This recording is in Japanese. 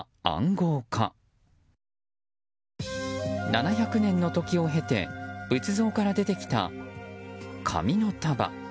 ７００年の時を経て仏像から出てきた紙の束。